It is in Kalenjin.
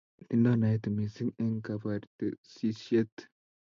Tindo naet mising en kabarasteishet